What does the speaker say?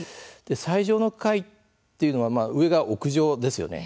最上の階というのは上が屋上ですよね。